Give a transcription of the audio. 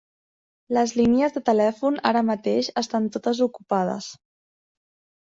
Les línies de telèfon ara mateix estan totes ocupades.